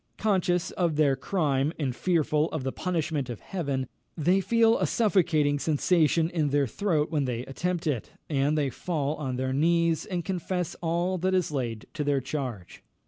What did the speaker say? Conscious of their crime, and fearful of the punishment of Heaven, they feel a suffocating sensation in their throat when they attempt it, and they fall on their knees, and confess all that is laid to their charge.